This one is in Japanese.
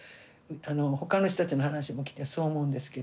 他の人たちの話も聞いてそう思うんですけど。